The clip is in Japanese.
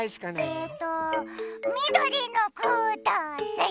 えっとみどりのください！